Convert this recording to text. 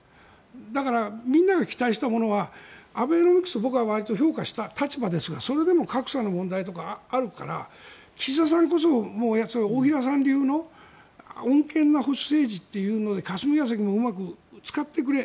だから、みんなが期待したものはアベノミクス、僕はわりと評価した立場ですがそれでも格差の問題があるから岸田さんこそ、大平さん流の穏健な保守政治というので霞が関をうまく使ってくれ。